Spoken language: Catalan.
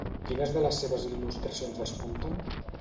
Quines de les seves il·lustracions despunten?